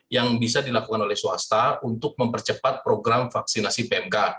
yang bisa dilakukan oleh swasta untuk mempercepat program vaksinasi pmk